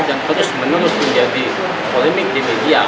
dan terus menerus menjadi polemik di media